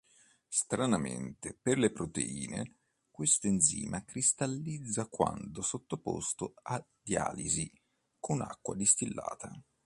Stranamente per le proteine, questo enzima cristallizza quando sottoposto a dialisi con acqua distillata.